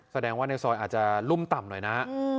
แสดงว่าในซอยอาจจะรุ่มต่ำหน่อยนะ